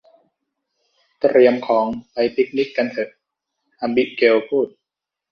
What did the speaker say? เตรียมของไปปิกนิกกันเถอะ อบิเกลพูด